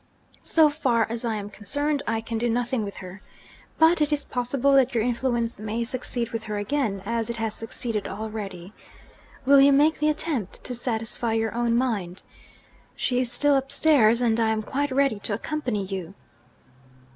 So far as I am concerned, I can do nothing with her. But it is possible that your influence may succeed with her again, as it has succeeded already. Will you make the attempt, to satisfy your own mind? She is still upstairs; and I am quite ready to accompany you.'